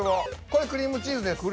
これクリームチーズです。